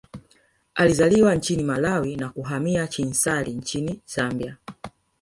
Alizaliwa nchini Malawi na kuhamia Chinsali nchini Zambia